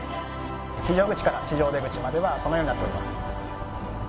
非常口から地上出口まではこのようになっております。